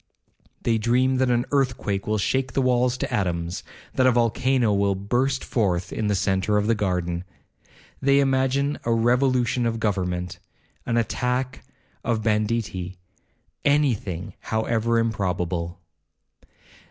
They dream that an earthquake will shake the walls to atoms, that a volcano will burst forth in the centre of the garden. They imagine a revolution of government,—an attack of banditti,—any thing, however improbable.